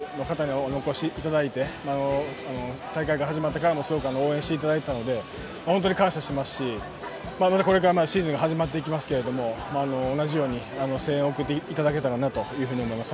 宮崎からたくさんのファンにお越しいただいて大会が始まってからもすごく応援していただいていたので本当に感謝していますし、これからシーズンが始まっていきますけれども、同じように声援を送っていただけたらなと思います。